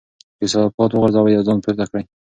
کثافات وغورځوئ او ځان پورته کړئ.